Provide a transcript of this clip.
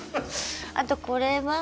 あとこれは何？